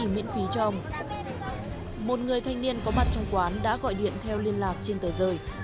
một người thanh niên có mặt trong quán đã gọi điện theo liên lạc trên tờ rời